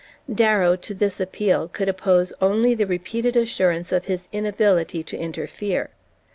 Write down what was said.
Darrow, to this appeal, could oppose only the repeated assurance of his inability to interfere.